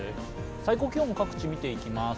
最高気温、各地見ていきます。